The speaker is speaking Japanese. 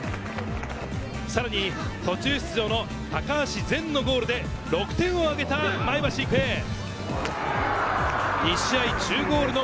さらに途中出場の高足善のゴールで６点を挙げた前橋育英。